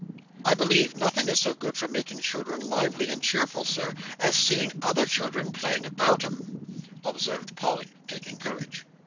"I believe nothing is so good for making children lively and cheerful, Sir, as seeing other children playing about 'em," observed Polly, taking courage.